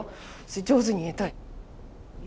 上手に言えた。